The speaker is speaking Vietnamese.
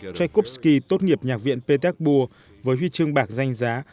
tchaikovsky tốt nghiệp nhạc viện petersburg với huy chương bạc danh giá